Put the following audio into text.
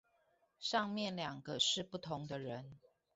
上面兩個是不同的人